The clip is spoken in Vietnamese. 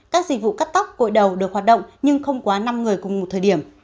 các dịch vụ cắt tóc cội đầu được hoạt động nhưng không quá năm người cùng một thời điểm